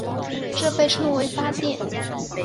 这被称为发电。